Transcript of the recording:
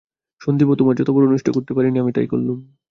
সন্দীপও তোমার যতবড়ো অনিষ্ট করতে পারে নি আমি তাই করলুম!